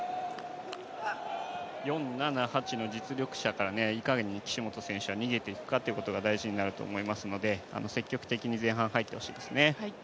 ４、７、８の実力者からいかに岸本選手は逃げていくかが大事になってきますので積極的に前半入ってほしいですね。